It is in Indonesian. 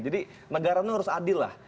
jadi negara ini harus adil lah